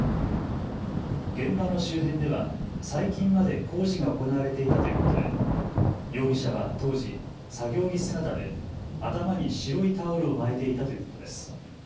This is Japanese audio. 現場の周辺では最近まで工事が行われていたということで容疑者は当時、作業着姿で頭に白いタオルを巻いていたということです。